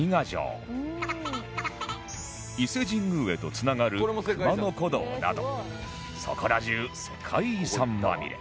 伊勢神宮へと繋がる熊野古道などそこら中世界遺産まみれ